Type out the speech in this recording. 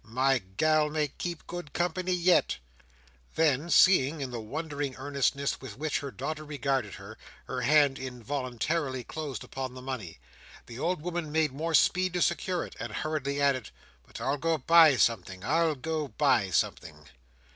My gal may keep good company yet!" Then, seeing that in the wondering earnestness with which her daughter regarded her, her hand involuntarily closed upon the money, the old woman made more speed to secure it, and hurriedly added, "but I'll go buy something; I'll go buy something."